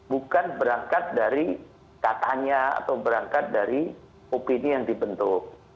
bukan berangkat dari katanya atau berangkat dari opini yang dibentuk